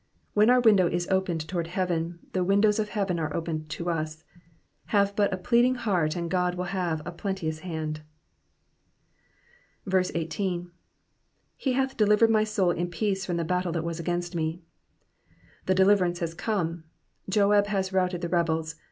When our window is opened towards heaven, the windows of heaven are open to us. Have but a pleading heart and God will have a plenteous hand. 18. ''''He hath delivered my soul in peace from the battle that was against me,''' The deliverance has come. Joab has routed the rebels.